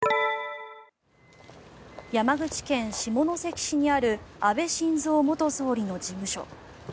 山口県下関市にある安倍晋三元総理の事務所。